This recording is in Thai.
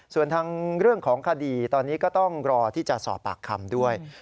ส่วนทางเรื่องของคดีตอนนี้ก็ต้องรอที่จะสอบปากคำด้วย